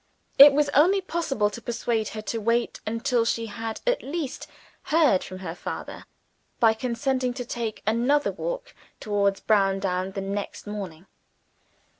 It was only possible to persuade her to wait until she had at least heard from her father, by consenting to take another walk towards Browndown the next morning.